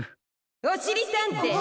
・おしりたんてい！